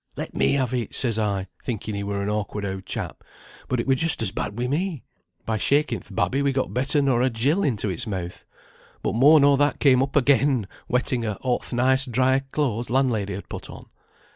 'Let me have it,' says I, thinking he were an awkward oud chap. But it were just as bad wi' me. By shaking th' babby we got better nor a gill into its mouth, but more nor that came up again, wetting a' th' nice dry clothes landlady had put on.